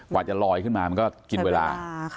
กว่าจะลอยขึ้นมามันก็กินเวลา